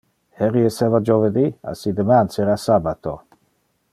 Heri esseva jovedi, assi deman sera sabbato.